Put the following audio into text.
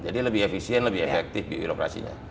jadi lebih efisien lebih efektif birokrasinya